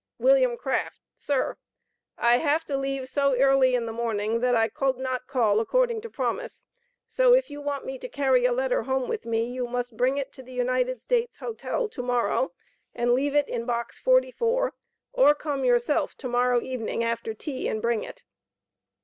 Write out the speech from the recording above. Wm. Craft Sir I have to leave so Eirley in the moring that I cold not call according to promis, so if you want me to carry a letter home with me, you must bring it to the United States Hotel to morrow and leave it in box 44, or come your self to morro eavening after tea and bring it.